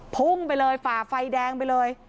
พุ่งไปเลยฝ่าไฟแดงไปเลย